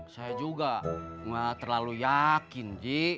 saya juga terlalu yakin ji